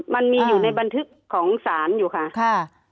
มันมีอยู่ในบันทึกของศาลอยู่ค่ะ